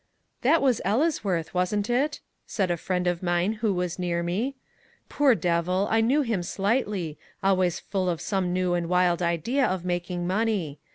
"That was Ellesworth, wasn't it?" said a friend of mine who was near me. "Poor devil. I knew him slightly, always full of some new and wild idea of making money.